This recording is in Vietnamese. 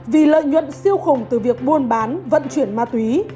vì lợi nhuận siêu khủng từ việc buôn bán vận chuyển ma túy